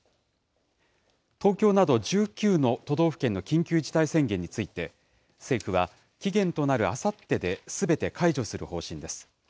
東京など１９の都道府県の緊急事態宣言について、政府は、期限となるあさってですべて解除する方針です。